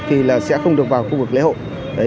thì là sẽ không được vào khu vực giao thông